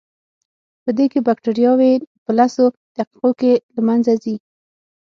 پدې کې بکټریاوې په لسو دقیقو کې له منځه ځي.